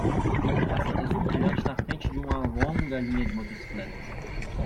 Há um capacete azul brilhante na frente de uma longa linha de motocicletas.